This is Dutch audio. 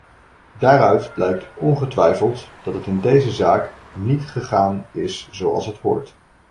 Daaruit blijkt ongetwijfeld dat het in deze zaak niet gegaan is zoals het hoort.